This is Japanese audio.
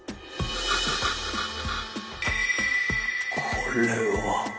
これは。